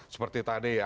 seperti tadi ya